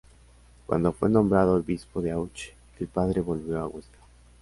Cuando fue nombrado obispo de Auch, el padre volvió a Huesca.